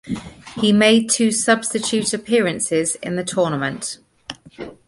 He made two substitute appearances in the tournament.